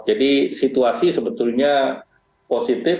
jadi situasi sebetulnya positif